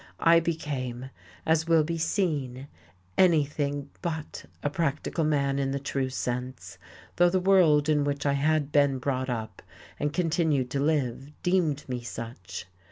I became, as will be seen, anything but a practical man in the true sense, though the world in which I had been brought up and continued to live deemed me such.